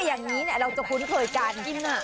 อย่างนี้เราจะคุ้นเคยกัน